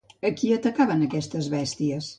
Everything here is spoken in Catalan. A qui atacaven aquestes bèsties?